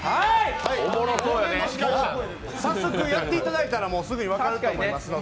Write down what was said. さっそくやっていただいたらすぐ分かると思いますので。